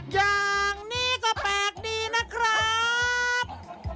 อย่างนี้ก็แปลกดีนะครับ